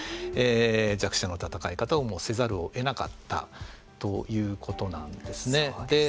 弱者の戦い方をせざるを得なかったということなんですね。